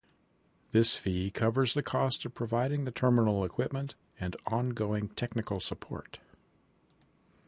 This fee covers the cost of providing the terminal equipment and ongoing technical support.